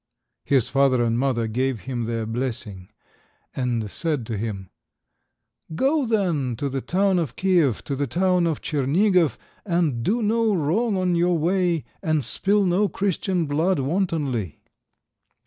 His father and mother gave him their blessing, and said to him— "Go, then, to the town of Kiev, to the town of Tschernigof, and do no wrong on your way, and spill no Christian blood wantonly."